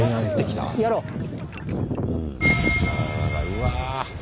うわ。